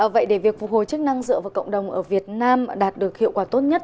vậy để việc phục hồi chức năng dựa vào cộng đồng ở việt nam đạt được hiệu quả tốt nhất